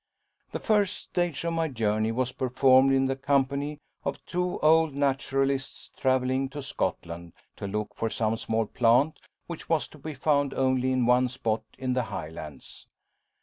The first stage of my journey was performed in the company of two old naturalists travelling to Scotland to look for some small plant which was to be found only in one spot in the Highlands.